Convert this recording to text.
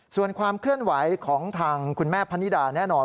ส่วนความเคลื่อนไหวของทางคุณแม่พนิดาแน่นอน